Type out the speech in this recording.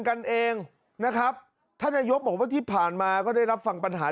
กันเองนะครับท่านนายกบอกว่าที่ผ่านมาก็ได้รับฟังปัญหา